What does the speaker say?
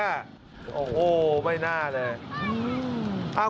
โอ้โหไม่น่าเลย